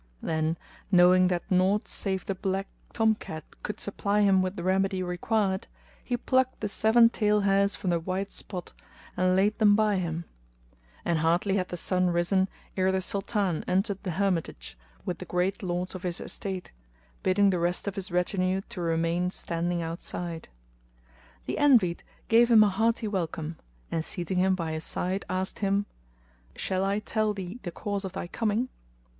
[FN#220] Then, knowing that naught save the black tomcat could supply him with the remedy required, he plucked the seven tail hairs from the white spot and laid them by him; and hardly had the sun risen ere the Sultan entered the hermitage, with the great lords of his estate, bidding the rest of his retinue to remain standing outside. The Envied gave him a hearty welcome, and seating him by his side asked him, "Shall I tell thee the cause of thy coming?"